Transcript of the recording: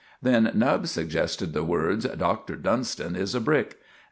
Then Nubbs suggested the words, "Doctor Dunston is a Brick!"